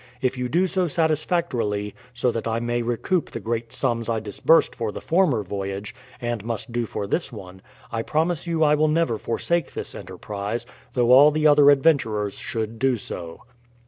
If you do so satisfactorily, so that I may recoup the great sums I disbursed for the former voyage, and must do for this one, I promise you I will never forsake this enterprise, though all the other adventurers should do so.